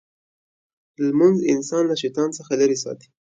لمونځ انسان له شیطان څخه لرې ساتي.